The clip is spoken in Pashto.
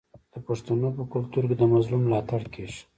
د پښتنو په کلتور کې د مظلوم ملاتړ کیږي.